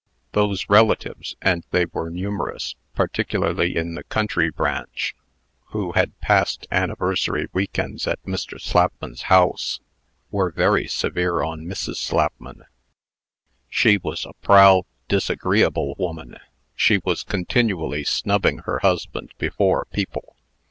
Those relatives, and they were numerous particularly in the country branch who had passed anniversary weeks at Mr. Slapman's house, were very severe on Mrs. Slapman. She was a proud, disagreeable woman. She was continually snubbing her husband before people.